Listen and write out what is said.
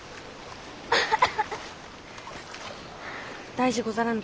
大事ござらぬか？